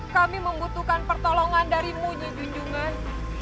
kami membutuhkan pertolongan darimu nyi junjungan